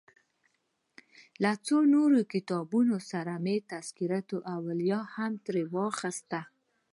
له څو نورو کتابونو سره مې تذکرة الاولیا هم ترې واخیست.